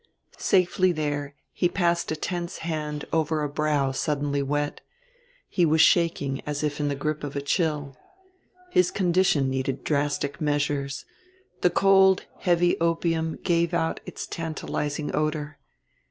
Safely there he passed a tense hand over a brow suddenly wet; he was shaking as if in the grip of a chill. His condition needed drastic measures. The cold heavy opium gave out its tantalizing odor.